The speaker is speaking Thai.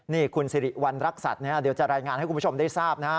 นี่คุณสิริวัณรักษัตริย์เดี๋ยวจะรายงานให้คุณผู้ชมได้ทราบนะฮะ